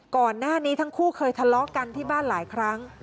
ก่อนหน้านี้ทั้งคู่เคยทะเลาะกันที่บ้านหลายครั้ง